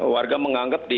warga menganggap di